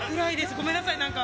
ごめんなさい、なんか。